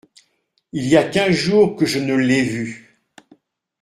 Il y a quinze jours que je ne l’ai vu.